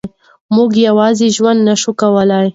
موږ یوازې ژوند نه شو کولای.